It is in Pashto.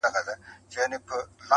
پخوانيو زمانو كي يو لوى ښار وو؛